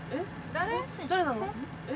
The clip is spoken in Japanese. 誰なの？